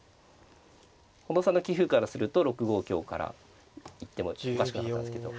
近藤さんの棋風からすると６五香から行ってもおかしくなかったんですけど。